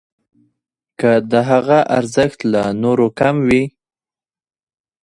که د هغه ارزښت له نورو کم وي.